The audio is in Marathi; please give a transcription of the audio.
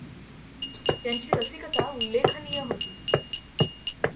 त्यांची रसिकता उल्लेखनीय होती.